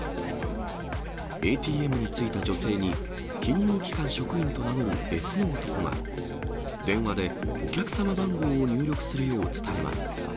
ＡＴＭに着いた女性に、金融機関職員と名乗る別の男が、電話でお客様番号を入力するよう伝えます。